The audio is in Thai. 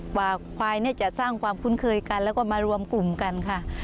กว่าควายเนี่ยจะสร้างความคุ้นเคยกันแล้วก็มารวมกลุ่มกันค่ะ